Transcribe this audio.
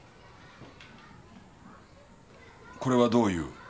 これはどういう？